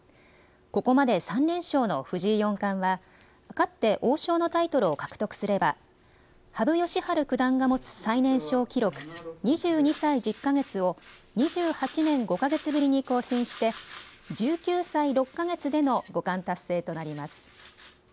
ここまで３連勝の藤井四冠は勝って王将のタイトルを獲得すれば羽生善治九段が持つ最年少記録、２２歳１０か月を２８年５か月ぶりに更新して１９歳６か月での五冠達成となります。